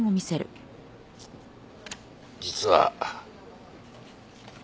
実は。